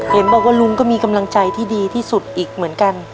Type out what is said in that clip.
เห็นบอกว่าลุงก็มีกำลังใจที่ดีที่สุดอีกเหมือนกัน